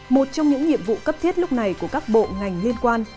một trong những nhiệm vụ cấp thiết lúc này của các bộ ngành liên quan